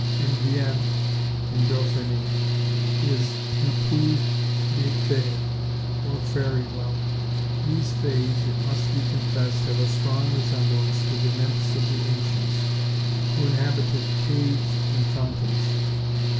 In Vienne, in Dauphiny, is Le puit des fées, or Fairy–well. These fays, it must be confessed, have a strong resemblance to the nymphs of the ancients, who inhabited caves and fountains.